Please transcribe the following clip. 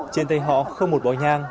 trên tay họ không một bó nhang